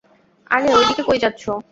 আরে, ওই দিকে কই যাচ্ছো?